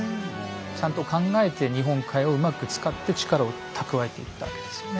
ちゃんと考えて日本海をうまく使って力を蓄えていったわけですよね。